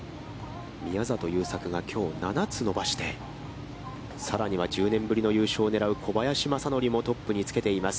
宮里優作がきょう７つ伸ばしてさらには１０年ぶりの優勝を狙う小林正則もつけています。